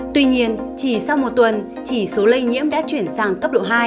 tuy nhiên chỉ sau một tuần chỉ số lây nhiễm đã chuyển sang cấp độ hai